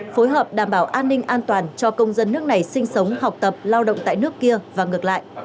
phối hợp đảm bảo an ninh an toàn cho công dân nước này sinh sống học tập lao động tại nước kia và ngược lại